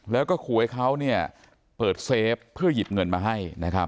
แล้วก็ขู่ให้เขาเปิดเซฟเพื่อหยิบเงินมาให้นะครับ